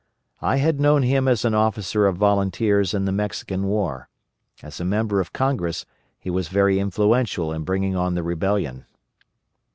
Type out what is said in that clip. I had known him as an officer of volunteers in the Mexican war. As a member of Congress he was very influential in bringing on the Rebellion.